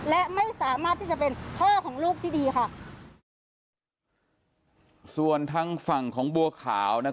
และไม่สามารถที่จะเป็นพ่อของลูกที่ดีค่ะส่วนทางฝั่งของบัวขาวนะคะ